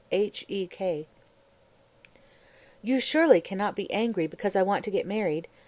H.E.K.]) 239. "You surely can not be angry because I want to get married?